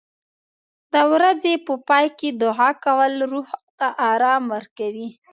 د ورځې په پای کې دعا کول روح ته آرام ورکوي.